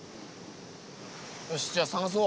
よしじゃあ探そう！